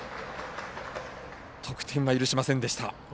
得点は許しませんでした。